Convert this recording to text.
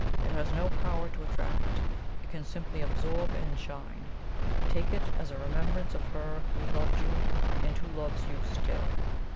It has no power to attract; it can simply absorb and shine. Take it as a remembrance of her who loved you and who loves you still."